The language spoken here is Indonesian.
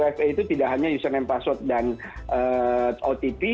fa itu tidak hanya username password dan otp